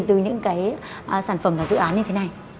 từ những cái sản phẩm dự án như thế này